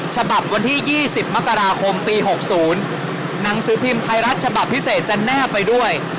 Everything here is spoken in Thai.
ฉบับวันที่ยี่สิบมกราคมปีหกศูนย์หนังสือพิมพ์ไทยรัฐฉบับพิเศษจะแน่ไปด้วย